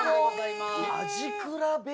・味比べ！